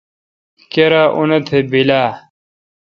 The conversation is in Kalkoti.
کیرا اوتھ بیل اؘ۔